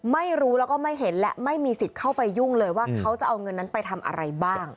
ไม่รู้แล้วก็ไม่เห็นและไม่มีสิทธิ์เข้าไปยุ่งเลยว่าเขาจะเอาเงินนั้นไปทำอะไรบ้าง